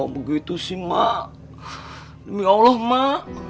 begitu sih mak demi allah mak